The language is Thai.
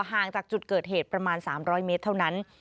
ห่างจากจุดเกิดเหตุประมาณ๓๐๐เมตรเท่านั้น